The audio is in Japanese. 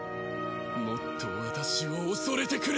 もっと私を恐れてくれ。